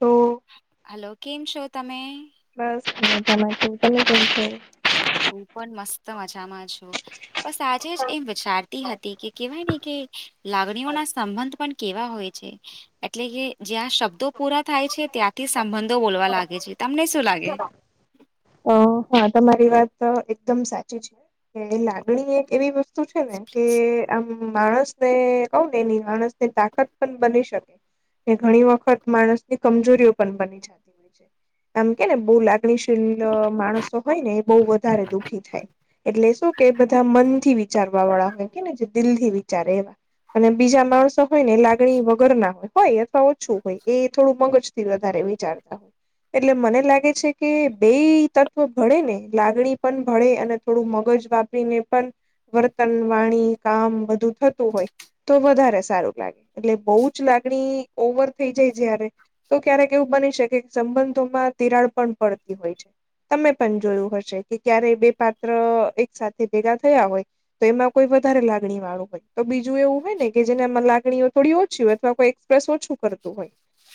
તો હલો કેમ છો તમે બસ છે તલે ચશે હું પણ મસ્ત મજામાં છું. બસ આજે જ એમ વિચારતી હતી કે કેવાય ને કે લાગણીઓ ના સંબંધ પણ કેવા હોય છે એટલે કે જ્યાં શબ્દો પૂરા થાય છે ત્યાંથી સંબંધો બોલવા છો? લાગે છે તમને શું લાગે અ હા તમારી વાત એકદમ સાચી છે કે લાગણી એક એવી વસ્તુ તુ છે ને કે આમ માણસ ને કઉ ને એની માણસ ને તાકાત પણ બની શકે એ ઘણી વખત માણસ ની કમજોરીઓ પણ બની જતી હોય આમ કે ને બહુ લાગણીશીલ માણસો હોયને એ બહ વધારે દુઃખી થાય એટલે શું કે બધા મન થી વિચારવા વાળા હોય કેને જે દિલ થી વિચારે એવા અને બીજા માણસો હોય ને લાગણી વગર ના હોય હોય અથવા ઓછું હોય એ થોડું મગજથી વધારે વિચારતા હો એટલે મને લાગે છે કે બે તત્વ ભળે ને લાગણી પણ ભળે અને થોડું મગજ વાપરીને પણ વર્તન વાણી કામ બધું થતું હોય તો વધારે સારું લાગે એટલે બહુ જ લાગણી ઓવર થઈ જાય જારે તો ક્યારેક એવું બની શકે સંબંધોમાં તિરાડ પણ પડતી હોય છે તમે પણ જોયું હશે કે ક્યારે બે પાત્ર એક સાથે ભેગા થયા હોય તો એમાં કોઈ વધારે લાગણી વાળું હોય તો બીજું એવું હોય ને કે જેનામાં લાગણીઓ થોડી ઓછી હોય અથવા કોઈ પ્રસ ઓછું કરતું હોય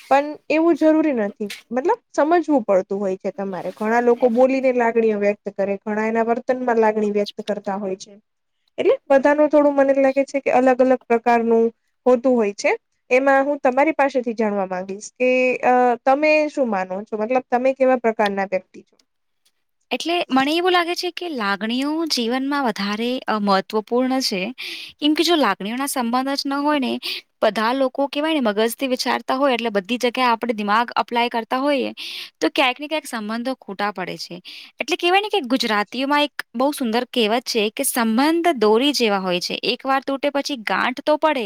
પણ એવું જરૂરી નથી મતલબ સમજવું પડતું હોય છે તમારે ઘણા લોકો બોલીને લાગણીઓ વ્યક્ત કરે ઘણા એના વર્તનમાં લાગણી વ્યક્ત કરતા હોય છે એટલે બધાનું થોડું મને લાગે છે કે અલગ અલગ પ્રકારનું હોતું હોય છે એમાં હું તમારી પાસેથી જાણવા માંગીશ કે અ તમે શું માનો છો મતલબ તમે કેવા પ્રકારના વ્યક્તિ છો એટલે મને એવું લાગે છે કે લાગણીઓ જીવનમાં વધારે મહત્વપૂર્ણ છે કેમ કે જો લાગણીઓ ના સંબંધ જ ન હોય ને બધા લોકો કેહેવાય ને મગજ થી વિચાર હોય એટલે બધી જગ્યા આપણે દિમાગ અપ્લાય કરતા હોઈએ તો ક્યાંક ને ક્યાંક સંબંધો ખોટા પડે છે એટલે કેહેવાય ને કે ગુજરાતીઓમાં એક બહુ સુંદર કહેવત છે કે સંબંધ દોરી જેવા હોય છે એક વાર તૂટે પછી ગાંઠ તો પડે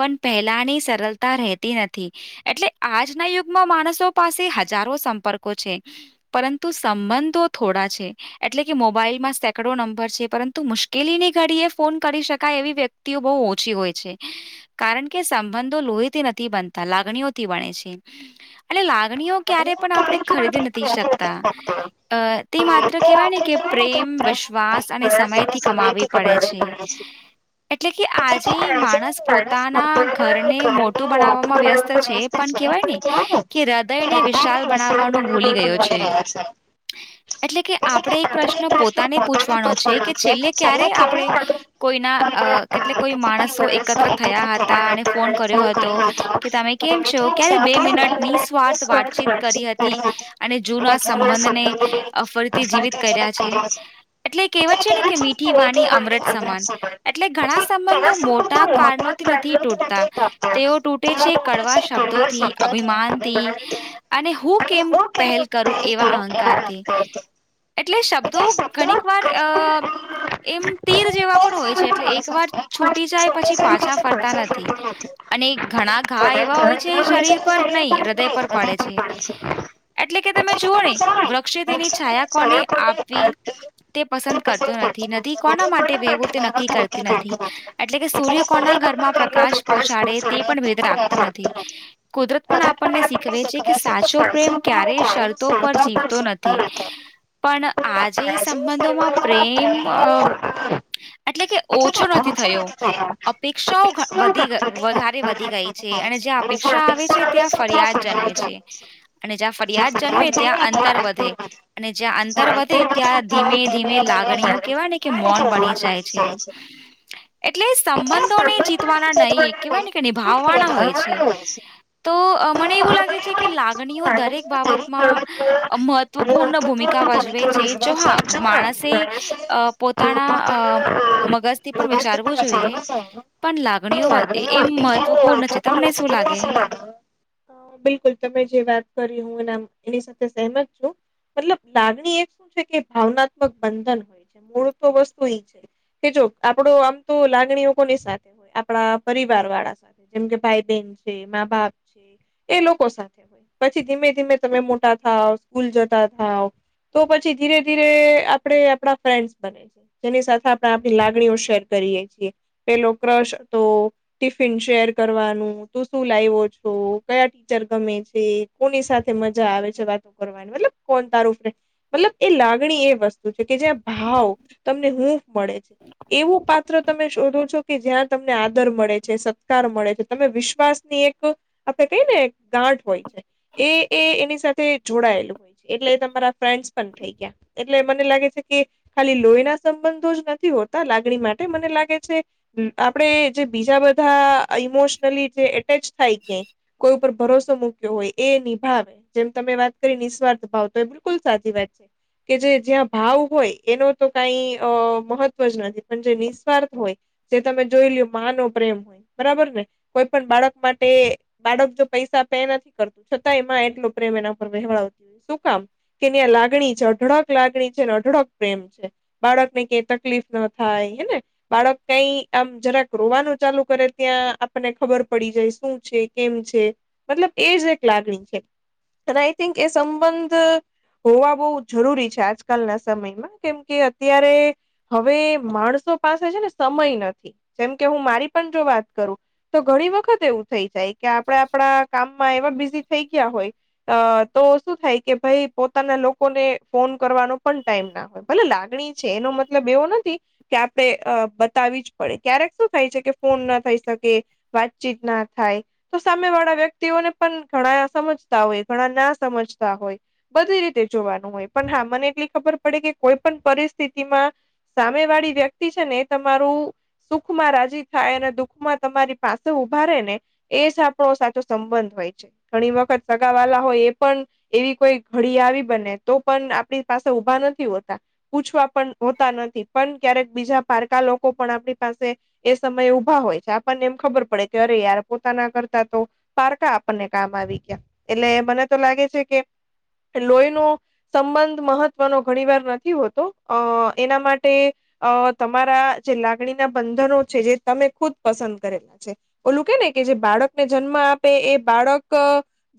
પણ પહેલાની સરળતા રહેતી નથી એટલે આજના યુગમાં માણસો પાસે હજારો સંપર્કો છે પરંતુ સંબંધો થોડા છે એટલે કે મોબાઈલમાં સેંકડો નંબર છે પરંતુ મુશ્કેલીની ઘડી એ ફોન કરી શકાય એવી વ્યક્તિ બહુ ઓછી હોય છે કારણ કે સંબંધો લોહીથી નથી બનતા લાગણીઓથી બણે છે એટ લાગણીઓ ક્યારે પણ આપણે ખરીદી નથી શકતા અ તે માત્ર કહેવાય ને કે પ્રેમ વિશ્વાસ અને સમયથી કમાવી પડે છે એટલે કે આજ. માણસ આજે પોતાના માણસ ઘરને પોતાના મોટું ઘરને મોટું બનાવવામાં વ્યસ્ત છે પણ કેવાય ને કે હૃદયને રાધાને વિશાલ વિશાળ બનાવવાનો ભૂલી બનાવવાનું ગયો છે. રહ્યો એટલે કે આપણે એક પ્રશ્ન પોતાને પૂછવાનો છે કે છેલ્લે ક્યારે આપણે કોઈના અ કેટલે કોઈ મા માસો એકત્ર થયા હતા અને ફોન કર્યો હતો કે તમે કેમ છો ક્યારે બે મિનટ ની. સ્ર્થ વાતચીત કરી હતી અને જૂના સંબંધને. અફરથી જીવિત કર્યા છે એટલે કહેવત છે ને કે મીઠી વાની અમૃત સમાન. એટલે ઘણા સંબંધો મોટા કારણોથી નથી તૂટતા. તેઓ તૂટે છે કડવા શબ્દોથી અભિમાનથી. અને હું કેમ પહેલ કરું એવા અહંકારથી. એટલે શબ્દો ઘણીક વાર અ. એમ તીર જેવા પણ હોય છે એટલે એક વાર છૂટી જાય પછી પાછા ફરતા નથી. અને ઘણા ઘા એવા હોય છે શરીર પર નહી હૃદય પર. પડે છે એટલે કે તમે તેથી જુઓ ને. વૃક્ષે તેની જાણે છાયા વૃક્ષો કોને અને છોડને આપવી. અડધી તે પસંદ કરતું નથી ન કોના માટે વહેવું તે નક્કી કરતી નથી. એટલે કે સૂર્ય કોના ઘરમાં પ્રકાશ પહોંચાડે તે પણ ભેદ રાખતો નથી. કુદરત પણ આપણને શીખવે છે કે સાચો પ્રેમ ક્યારે શરતો પર જીવ. તો નથી. પણ આજે સંબંધોમાં પ્રેમ. એટલે કે ઓછો નથી થયો. હાા. અપેક્ષાઓ વધી વધારે વધી ગઈ છે અને જ્યાં અપેક્ષા આવે છે ત્યાં ફરિયાદ જન્મે છે. અને જ્યાં ફરિયાદ જન્મે ત્યાં અંતર વધે. અને જ્યાં અંતર વધે ત્યાં ધીમે ધીમે લાગણીઓ કેવાય ને કે મૌન બની જાય છે. [inaudible] એટલે સંબંધોને જીતવાના નહીં એ કેહેવાય ને કે નિભાવવાના હોય છે. તો મને એવું લાગે છે કે લાગણીઓ દરેક બાબતમાં. મહત્વપૂર્ણ ભૂમિકા ભજવે છે જો હા માણસે. અ પોતાના અ પોતાના અ, મગજથી. પણ વિચારવું જોઈએ પણ લાગણીઓ એમ મહત્વપૂર્ણ છે તમને શું લાગે. હ. અ બિલકુલ તમે જે વાત કરી હું એના એની સાથે સહેમત છું. મતલબ લાગણી એક શું છે કે ભાવનાત્મક બંધન હોય છે મૂળ તો વસ્તુ એ છે. કે જો આપડો આમ તો લાગણીઓ કોની સાથે હોય આપણા પરિવાર વાળા સાથે. જેમ કે ભાઈ બેન છે મા બાપ છે એ લોકો સાથે. હોય પછી ધીમે ધીમે તમે મોટા થાવ સ્કૂલ જતા થાવ. તો પછી ધીરે ધીરે આપે આપણા ફ્રેન્ડ બને છે જેની સાથે આપણે આપણી લાગણીઓ શેર કરીએ છીએ પેલો ક્રશ તો. ટિફિન શેર કરવાનું તું શું લાવો છો કયા ટીચર ગમે છે. કોની સાથે મજા આવે છે વાતો કરવાની મતલબ કોણ તારુંફે. મતલબ એ લાગણી એ વસ્તુ છે કે જ્યાં ભાવ તમને હું મળે છે એવું પાત્ર. તમે શોધો છો કે જ્યાં તમને આદર મળે છે સત્કાર મળે છે તમે વિશ્વાસની એક. આપડ કઈ ને ગાંઠ હોય છે એ એ એની સાથે જોડાયેલું હોય. એટલે તમારા ફ્રેન્ડસ પણ થઈ ગયા. એટલે મને લાગે છે કે ખાલી લોહી ના સંબંધો જ નથી હોતા લાગણી માટે. મને લાગે છે આપણેે જે બીજા બધા. ઈમોશનલી જે એટેચ થાય કે કોઈ ઉપર ભરોસો મુક હોય એ નિભાવે જેમ તમે વાત કરી નિસ્વાર્થ ભાવ તો એ બિલકુલ સાચી વાત છે. કે જે જ્યાં ભાવ હોય એનો તો કઈ મહત્વ જ નથી પણ જે વાથ હોય જે તમે જોઈ લ માનો પ્રેમ હોય બરાબર ને કોઈ પણ બાળક માટે. બાળક જો પૈસા પે નથી કરતું છતાં એમાં એટલો પ્રેમ એના પર વવડતી હોય શું કામ. કેની્યા લાગણી છે અઢળક લાગણી છે અને અઢળક પ્રેમ છે. બાળક ને કઈ તકલીફ ના થાય હેને. બાળક કઈ આમ જરાક રોવાનું ચાલુ કરે ત્યાં આપને ખબર પડી જાય શું છે કેમ છે. મતલબ એ જ એક લાગણી છે અને આઈ થિંક એ સંબંધ. હોવા બહુ જરૂરી છે આજકાલના સમયમાં કેમ કે અત્યારે હવે માણસો પાસે છે ને સમય નથી જેમ કે હું મારી પણ જો વાત કરું તો ઘણી વખત એવું થઈ જાય કે આપડે આપડા કામમાં એવા બિઝી થઈ ગયા હોય. અ તો શું થાય કે ભાઈ પોતાના લોકોને ફોન કરવાનો પણ ટાઈમ ના હોય. ભલે લાગણી છે એનો મતલબ એવો નથી આપ બતાવી જ પડે ક્યારેક શું થાય છે કે ફોન ના થઈ શકે. વાતચીત ના થાય તો સામે વાળા વ્યક્તિઓને પણ ઘણા સમજતા હોય ઘણા ના સમજતા હોય. બધી રીતે જોવાનું હોય પણ હા મને એટલી ખબર પડે કે કોઈ પણ પરિસ્થિતિમાં સામે વાળી વ્યક્તિ છે ને એ તમારું સુખ માં રાજી થાય અને દુઃખમાં તમારી પાસે ઉભારે ને એ જ આપણો સાચો સંબંધ હોય છે ઘણી વખત સગા વાલા હોય એ પણ એવી કોઈ ઘડી આવી બને તો પણ આપણી પાસે ઉભા નથી હોતા પૂછું. પણ હોતા નથી પણ ક્યારેક બીજા પારકા લોકો પણ આપણી પાસે એ સમયે ઉઊભા હોય છે આપણને એમ ખબર પડે કે અરે યાર પોતાના કરતા તો પારકા આપણને કામ આવી ગયા એટલે મને તો લાગે છે કે લોહીનું સંબંધ મહત્વનો ઘણી વાર નથી હોતો અ એના માટે અ તમારા જે લાગણીના બંધનો છે જે તમે ખુદ પસંદ કરેલા છે ઓલું કે ને કે જે બાળકને જન્મ આપે એ બાળક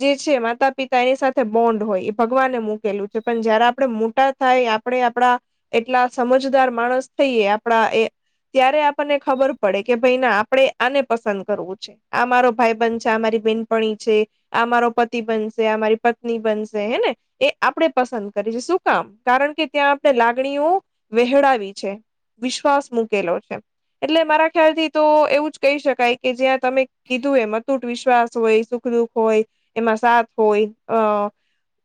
જે છે માતા પિતા એની સાથે બોન્ડ હોય એ ભગવાનને મૂકેલું છે પણ જયારે આપડે મોટા થાય આપણેે આપડા એટલા સમજદાર માણસ થઈએ આપણા એ ત્યારે આપણને ખબર પડે કે ભાઈ ના આપડે આને પસંદ કરવું છે. આમારો ભાઈ બન છે અમારી બેનપણી છે. અમારો પતિ બનશે અમારી પત્ની બનશે હેને- એ આપણે પસંદ કરી છે શું કામ કારણ કે ત્યાં આપણે લાગણીઓ વહેહડાવી છે. વિશ્વાસ મૂકેલો છે એટલે મારા ખ્યાલ થી તો એવું જ કહી શકાય કે જ્યાં તમે કીધું એમ અતૂટ વિશ્વાસ હોય સુખ દુઃખ હોય એમાં સાથ હોય અ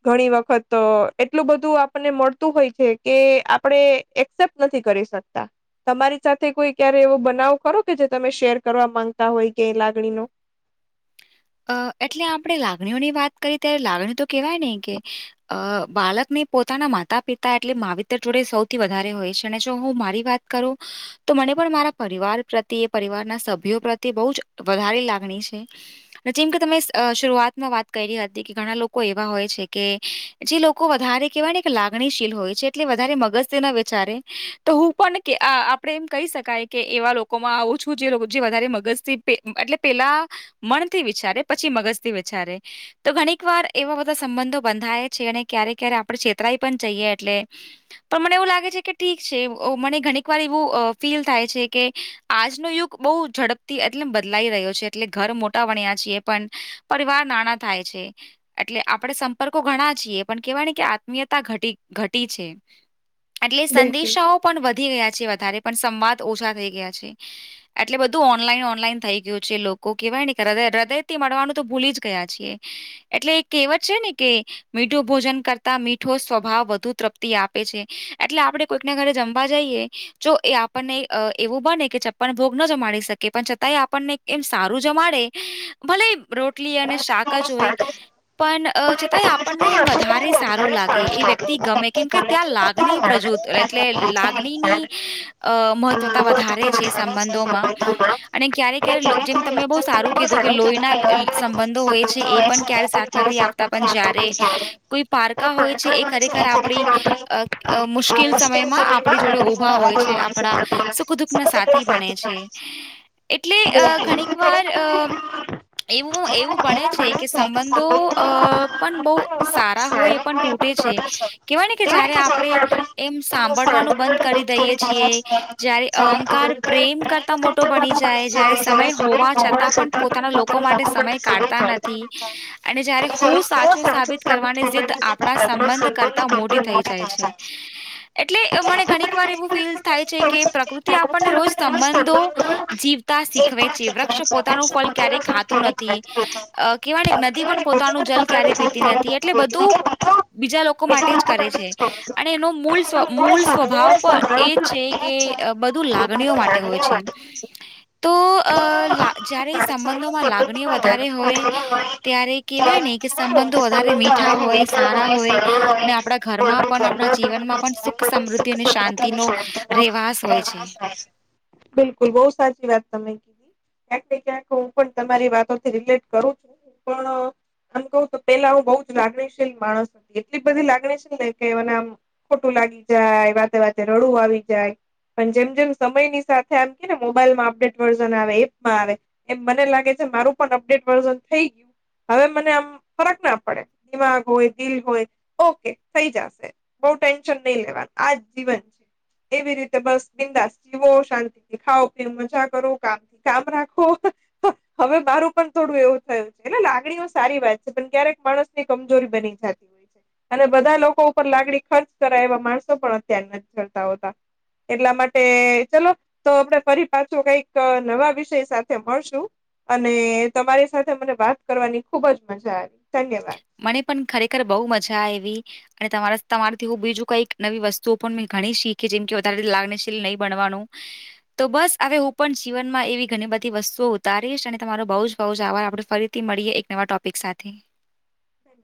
ઘણી વખત તો એટલું બધું આપણને મળતું હોય છે કે આપણે એક્સેપ્ટ નથી કરી શકતા સત્તા તમારી સાથે કોઈ ક્યારે એવો બનાવો કરો કે જે તમે શેર કરવા માંગતા હોય કે લાગણી નો અ એટલે આપણે લાગણીઓની વાત કરીએ ત્યારે લાગણી તો કેવાય નહી કે અ બાળકને પોતાના માતા પિતા એટલે માવિતર જોડે સૌથી વધારે હોય છે અને જો હું મારી વાત કરો. તો મને પણ મારા પરિવાર પ્રત્યે એ પરિવારના સભ્યો પ્રત્યે બહુ જ વધારે લાગણી છે. નચીમ કે તમે શરૂઆતમાં વાત કરી હતી કે ઘણા લોકો એવા હોય છે કે જે લોકો વધારે કેહેવાય ને લાગણીશીલ હોય છે એટલે વધારે મગજથી ના વિચારે. તો હું પણ આપડે એમ કહી શકાય કે એવા લોકોમાં આવું છું જે જે વધારે મગજથી એટલે પેલા મણથી વિચારે પછી મગજથી વિચારે તો ઘણીક વાર એવા બધા સંબંધો બંધાય છે અને ક્યારે ક્યારે આપણે છેતરાઈ પણ જઈએ એટલે પણ મને એવું લાગે છે કે ઠીક છે મને ઓ ઘણીક વાર એવું અ ફીલ થાય છે કે આજનો યુગ બહુ ઝડપથી એટલે બદલાઈ રહ્યો છે એટલે ઘર મોટ વણ્યા છીએ પણ પરિવાર નાના થાય છે. એટલે આપણે સંપર્કો ઘણા છીએ પણ કેવાય ને કે આત્મીયતા ઘ ઘટી છે એટલે બિલકુલ સંદેશાઓ પણ વધી ગયા છે વધારે પણ સંવાદ ઓછા થઈ ગયા છે. એટલે બધું ઓનલાઈન ઓનલાઈન થઈ ગયું છે લોકો કેહેવાય ને હૃદય હૃદય થી મળવાનું તો ભૂલી જ ગયા છીએ એટલે એ કેહેવત છે ને કે મીઠું ભોજન કરતા મીઠો સ્વભાવ વધુ તૃપ્તિ આપે છે એટલે આપડે કોઈકના ઘરે જમવા જઈએ. જો એ આપણને એવું બને કે ચપ્પન ભોગ ન જમાડી શકે પણ છતાંય આપણને એમ સારું જમાડે ભલે રોટ અને શાક જ હોય સાથે પણ છતાંય આપણને એમ મુશ્કેલ વધારે સમયમાં આપણે સારું જોડે ઉભા લાગે હોય એ વ્યક્તિ ગમે કેમ કે ત્યાં લાગણી પ્રજુ એટલે લાગણીની અ મહત્વતા વધારે ધો ક્યારે ક જેમ તમે બ સારું કીધું કે લોહીના સબંધો હોય છે એ પણ ક્યારે સાથ નથી આપતા પણ જયારે કોઈ પારકા હોય એ ખરેખર આપણી અ અ મુશ્કેલ સમયમાં આપણી જોડે ઉભા હોય છે આપણા દુઃખના સાથી બણે છે એટલે અ મળે છે ઘણીક એટલે વાર ઘણીક વાર એવું એવું બને છે કે સંબંધો અ પણ બહુ સારા હોય પણ તૂટે છે કેવાય ને કે જયારે આપણે એમ સાંભળવાનું બંધ કરી દઈએ છીએ જયારે અહંકાર પ્રેમ કરતા મોટો બની જાય જયારે સમય હોવા છતાં પણ પોતાના લોકો માટે સમય કાઢતા નથી [inaudible] અને જયારે હું સાચું સાબિત કરવાની જિદ આપણા સંબંધ કરતા મોટી થઇ જાય છે [inaudible] એટલે મને ઘણીક વાર એવું ફીલ થાય છે કે પ્રકૃતિ આપણને રોજ સંબંધો જીવતા શીખવે જીવતા છે શીખવે વૃક્ષ પોતાનું ફલ ક્યારેક ફળ ખાતું ક્યારેક નથી હોતું નથી. અ કેવાને નદી પણ પોતાનું જલ ક્યારે પીતી નથી એટલે બધું બીજા લોકો માટે જ કરે છે અને એનો મૂળ સવ મૂળ સ્વભાવ પણ એ છે કે બધું લાગણીઓ માટે હોય છે. તો અ આ લા જય્યારે સંબંધ વાતચીત માં લાગણી સંબંધમાં વધારે લાગણી હોય વધારે હોય ત્યારે કેવાય ત્યારે ને કે કેવાય ને કે સંબંધો વધારે સંબંધો મીઠા વધારે હોય મીઠા સારા હોય સારા હોય, અને આપણા ઘરમાં મોટા પણ આપણા ઘરમાં જીવનમાં આપણા પણ સુખ જીવનમાં પણ સમૃદ્ધિ સુખ અને અને શાંતિનો શાંતિનો રહેવાસ હોય છે રહેવાસ હોય બિલકુલ બહુ સાચી વાત તમે કીધી ક્યાંક ને ક્યાંક પણ તમારી વાતોથી રિલેટ કરું છું પણ આમ કહું તો પેલા હું બહુ જ લાગણીશીલ માણસ હતી એટલી બધી લાગણીશીલ ને કે મને આમ ખોટું લાગી જાય વાતે વાતે રડું આવી જાય પણ જેમ જેમ સમયની સાથે આમ કે ને મોબાઈલમાં અપડેટ વર્ઝન આવે એપમાં આવે એમ મને લાગે છે મારું પણ અપડેટ વર્ઝન થઈ ગયું હવે મને આમ ફરક ના પડે દિમાગ હોય દિલ હોય ઓકે થઈ જશે બઉ ટેન્શન નહી લેવાનું આ જીવન છે એવી રીતે બસ બિંદાસ જીવો શાંતિ થી ખાઓ પી મજા કરો કામ કામ રાખો હવે મારું પણ થોડું એવું થયું છે એટલે લાગણીઓ સારી વાત છે પણ ક્યારેક માણસ કમજોરી બની જતી હોય છે. અને બધા લોકો ઉપર લાગણી ખર્ચ કરાય એવા માણસો પણ અત્યાર નથી જતા હોતા એટલા માટે ચલો તો આપડે ફરી પાછો કઈક નવા વિષય સાથે મળશું અને તમારી સાથે મને વાત કરવાની ખુબજ મજા આવી ધન્યવાદ મને પણ ખરેખર બહુ મજા આવી અને તમારા તમારીથી હું બીજું કઈક નવી વસ્તુઓ પણ મેં ઘણી શીખી જેમ કે વધારે લાગ્નશીલ નહીં બનવાનું તો બસ હવે હું પણ જીવનમાં એવી ઘણી બધી વસ્તુઓ ઉતારીશ અને તમારો બઉ જ બઉ જ આવા આપણે ફરી તે મળીએ એક નવા ટોપિક સાથે સે [unintelligible]